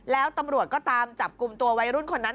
แล้วตำรวจก็ตามจับกลุ่มตัววัยรุ่นคนนั้น